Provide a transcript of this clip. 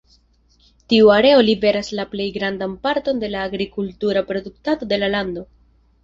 Tiu areo liveras la plej grandan parton de la agrikultura produktado de la lando.